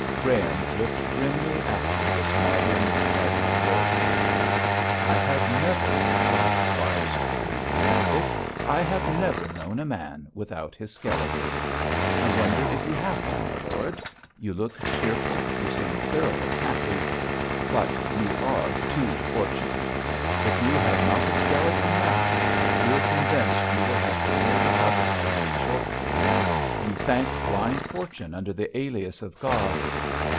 Graham looked grimly after this modern Cardinal Wolsey. 'I have never,' soliloquised the sceptic, 'I have never known a man without his skeleton. I wonder if you have one, my lord. You look cheerful, you seem thoroughly happy; but you are too fortunate. If you have not a skeleton now, I feel convinced you will have to build a cupboard for one shortly. You thank blind fortune under the alias of God?